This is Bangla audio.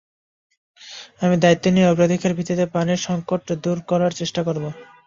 আমি দায়িত্ব নিয়ে অগ্রাধিকার ভিত্তিতে পানির সংকট দূর করার চেষ্টা করব।